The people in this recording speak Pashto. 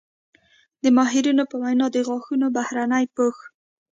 د ماهرینو په وینا د غاښونو بهرني پوښ